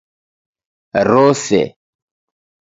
Rose